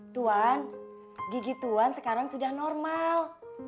tuan gigi tuan sekarang sudah normal